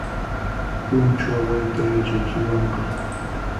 Punchu awayta yachachiwanqa